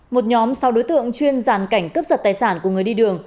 một nhóm sau đối tượng chuyên giàn cảnh cướp giật tài sản của người đi đường